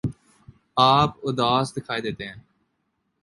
آپ اداس دکھائی دیتے ہیں